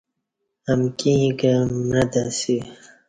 امکی ییں کہ معتہ اسی